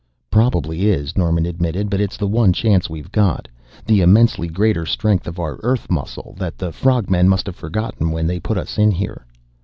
"Probably is," Norman admitted. "But it's the one chance we've got, the immensely greater strength of our Earth muscle that the frog men must have forgotten when they put us in here."